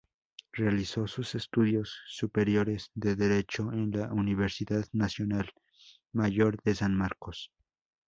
Realizó sus estudios superiores de derecho en la Universidad Nacional Mayor de San Marcos.